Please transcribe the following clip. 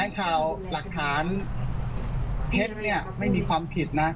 แถลงข่าวหลักฐานเท็จไม่มีความผิดนะ